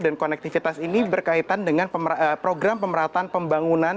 dan konektivitas ini berkaitan dengan program pemerataan pembangunan